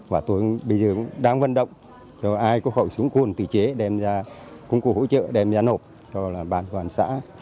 và tôi bây giờ cũng đang vận động cho ai có khẩu súng cồn tự chế đem ra công cụ hỗ trợ đem ra nộp cho bàn quản xã